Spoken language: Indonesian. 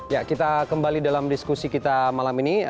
ya kita kembali dalam diskusi kita malam ini